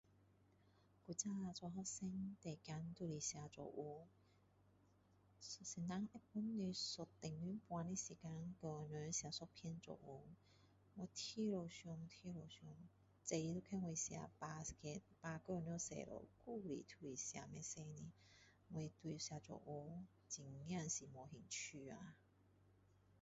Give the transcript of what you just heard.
以前做学生最怕就是写作文老师给你一个钟头半的时间写一篇作文我一直想一直想纸都被我撕几页去还是写不出来我对写作文真的没有兴趣呀